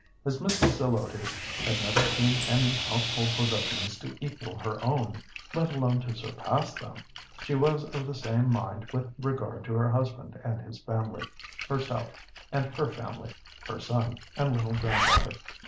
As Mrs. Zelotes had never seen any household possessions to equal her own, let alone to surpass them, she was of the same mind with regard to her husband and his family, herself and her family, her son and little granddaughter.